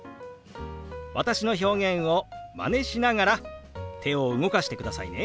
私の表現をマネしながら手を動かしてくださいね。